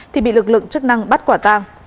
thì bị lực lượng chức năng bắt quả tàng